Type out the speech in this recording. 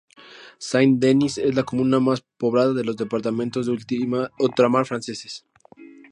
Saint-Denis es la comuna más poblada en los departamentos de ultramar franceses.